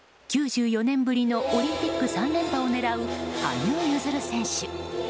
９４年ぶりのオリンピック３連覇を狙う羽生結弦選手。